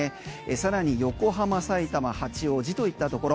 更に横浜さいたま、八王子といったところ。